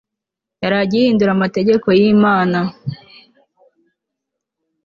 yari agihindura amategeko y'imana